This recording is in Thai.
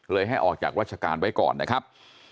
ให้ออกจากราชการไว้ก่อนนะครับ